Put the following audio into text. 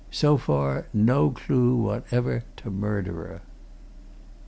So far no clue whatever to murderer."